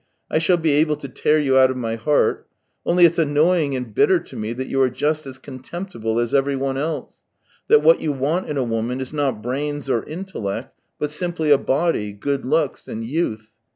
I shall be able to tear you out of my heart. Only it's annoying and bitter to me that you are just as contemptible as everyone else; that what you want in a woman is not brains or intellect, but simply a body, good looks, and youth.